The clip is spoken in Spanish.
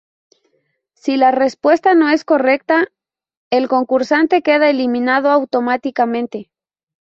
Si la respuesta no es correcta, el concursante queda eliminado automáticamente.